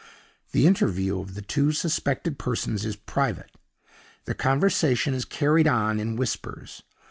The interview of the two suspected persons is private; their conversation is carried on in whispers.